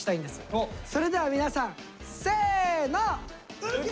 それでは皆さんせの。